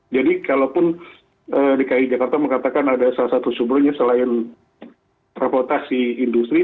jadi kalaupun dki jakarta mengatakan ada salah satu sumbernya selain transportasi industri